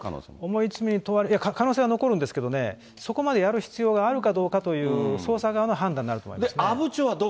重い罪に、可能性は残るんですけどね、そこまでやる必要があるかどうかという、捜査側の判断になると思いますね。